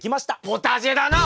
ポタジェだな！